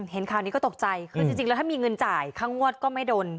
เห็นข่าวนี้ก็ตกใจคือจริงแล้วถ้ามีเงินจ่ายค่างวดก็ไม่โดน